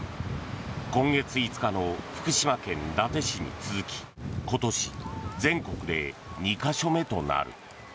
今月５日の福島県伊達市に続き今年、全国で２か所目となる。